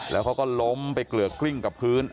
แล้วเขาก็ล้มไปเกลือกกลิ้งกับพื้น